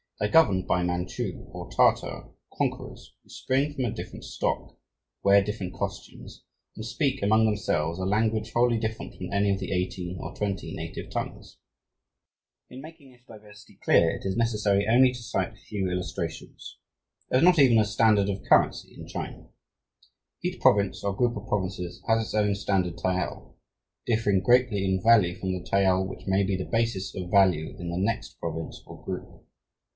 They are governed by Manchu, or Tartar, conquerors who spring from a different stock, wear different costumes, and speak, among themselves, a language wholly different from any of the eighteen or twenty native tongues. In making this diversity clear, it is necessary only to cite a few illustrations. There is not even a standard of currency in China. Each province or group of provinces has its own standard tael, differing greatly in value from the tael which may be the basis of value in the next province or group.